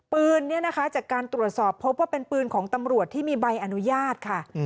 ปืนเนี่ยนะคะจากการตรวจสอบพบว่าเป็นปืนของตำรวจที่มีใบอนุญาตค่ะ